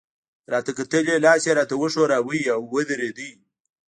راته کتل يې، لاس يې راته ښوراوه، او ودرېد.